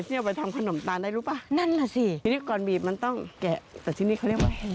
เอาไปทำขนมตาลได้รู้ป่ะนั่นน่ะสิทีนี้ก่อนบีบมันต้องแกะแต่ชิ้นนี้เขาเรียกว่า